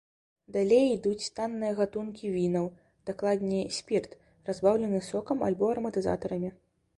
Далей ідуць танныя гатункі вінаў, дакладней, спірт, разбаўлены сокам альбо араматызатарамі.